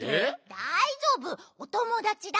だいじょうぶおともだちだから。